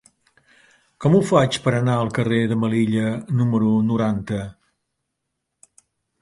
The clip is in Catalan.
Com ho faig per anar al carrer de Melilla número noranta?